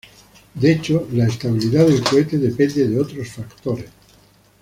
De hecho, la estabilidad del cohete depende de otros factores.